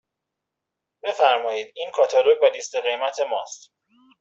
بفرمایید این کاتالوگ و لیست قیمت ماست.